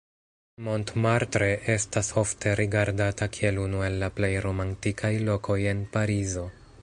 Montmartre estas ofte rigardata kiel unu el la plej romantikaj lokoj en Parizo.